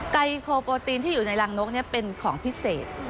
ไกโคโปรตีนที่อยู่ในรังนกเป็นของพิเศษ